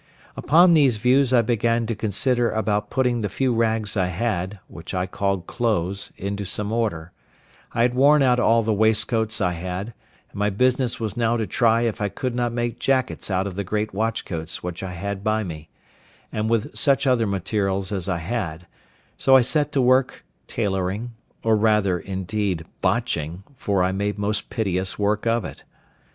Upon these views I began to consider about putting the few rags I had, which I called clothes, into some order; I had worn out all the waistcoats I had, and my business was now to try if I could not make jackets out of the great watch coats which I had by me, and with such other materials as I had; so I set to work, tailoring, or rather, indeed, botching, for I made most piteous work of it.